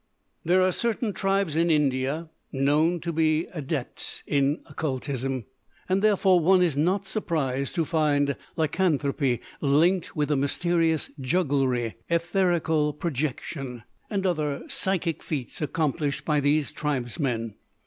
There are certain tribes in India known to be adepts in Occultism, and therefore one is not surprised to find lycanthropy linked with the mysterious jugglery, etherical projection, and other psychic feats accomplished by these tribesmen.